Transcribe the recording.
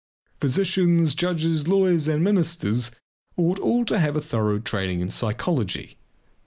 Physicians, judges, lawyers, and ministers ought all to have a thorough training in psychology.